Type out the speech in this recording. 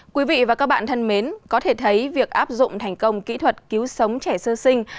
quý vị và các bạn thân mến có thể thấy việc áp dụng thành công kỹ thuật cứu sống trẻ sơ sinh